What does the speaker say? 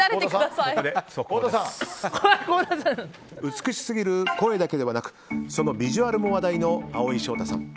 美しすぎる声だけではなくそのビジュアルも話題の蒼井翔太さん。